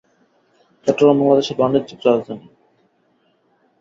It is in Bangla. চট্টগ্রাম বাংলাদেশের বাণিজ্যিক রাজধানী।